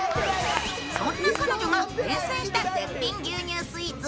そんな彼女が厳選した絶品牛乳スイーツ。